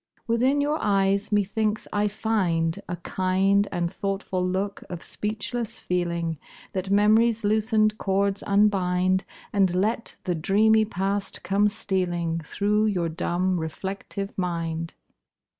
Within your eyes methinks I find A kind And thoughtful look of speechless feeling That mem'ry's loosened cords unbind, And let the dreamy past come stealing Through your dumb, reflective mind.